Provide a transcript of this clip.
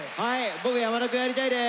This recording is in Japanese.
僕山田くんやりたいです！